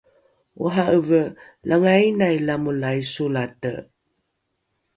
ora’eve langainai lamolai solate